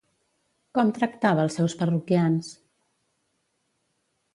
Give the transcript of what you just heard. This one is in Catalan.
Com tractava els seus parroquians?